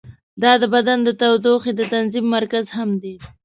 دا د بدن د تودوخې د تنظیم مرکز هم دی.